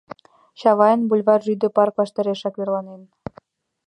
— Чавайн бульвар рӱдӧ парк ваштарешак верланен.